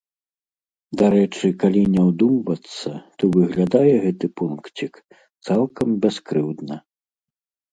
Дарэчы, калі не ўдумвацца, то выглядае гэты пункцік цалкам бяскрыўдна.